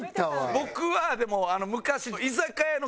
僕はでも昔。